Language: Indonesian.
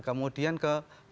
kemudian ke musik musik